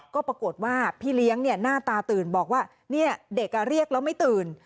ก็ปรากฏว่าพี่เลี้ยงหน้าตาตื่นบอกว่าเด็กเรียกแล้วไม่ตื่น